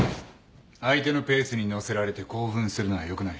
相手のペースに乗せられて興奮するのはよくない。